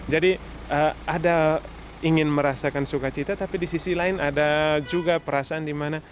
jadi ada ingin merasakan sukacita tapi di sisi lain ada juga perasaan di mana